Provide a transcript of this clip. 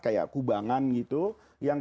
kayak kubangan gitu yang